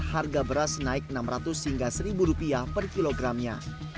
harga beras naik rp enam ratus hingga rp satu per kilogramnya